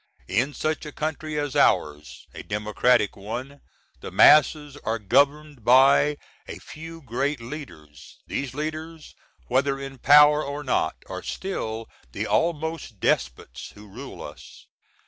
In such a country as ours a democratic one the masses are governed by a few great leaders; these leaders, whether in power or not, are still the almost despots who rule us.